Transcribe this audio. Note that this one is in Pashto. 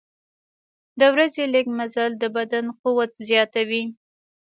د ورځې لږ مزل د بدن قوت زیاتوي.